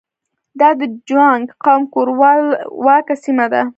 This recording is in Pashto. دا د جوانګ قوم کورواکه سیمه ده.